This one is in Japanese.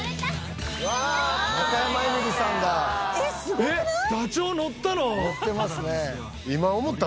えっダチョウ乗ったの？